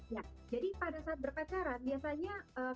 ya jadi pada saat berpacaran biasanya